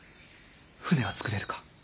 船はつくれるか。